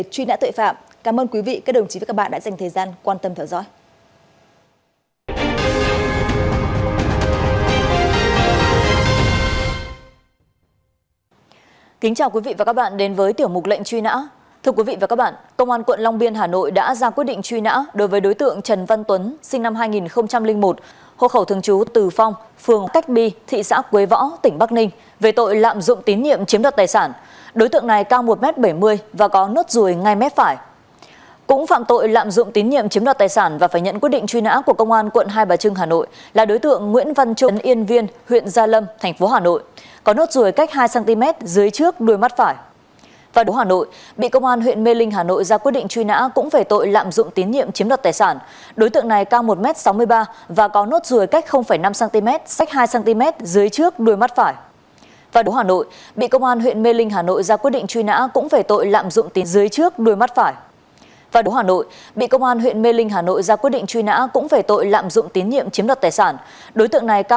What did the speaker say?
truy nã tội phạm cảm ơn quý vị và các đồng chí đã dành thời gian quan tâm theo dõi